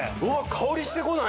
香りしてこない？